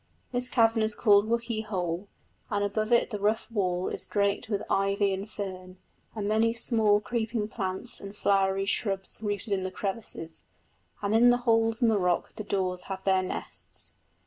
This cavern is called Wookey Hole, and above it the rough wall is draped with ivy and fern, and many small creeping plants and flowery shrubs rooted in the crevices; and in the holes in the rock the daws have their nests.